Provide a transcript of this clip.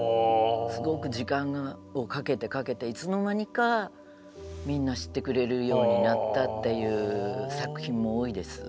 すごく時間をかけてかけていつの間にかみんな知ってくれるようになったっていう作品も多いです。